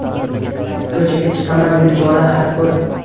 Ko’chaga chiqaman yuz bora har kun